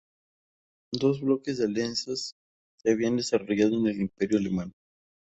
Dos bloques de alianzas se habían desarrollado en el Imperio alemán.